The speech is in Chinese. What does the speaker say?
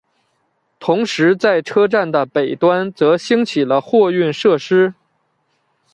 同时在车站的北端则兴起了货运设施。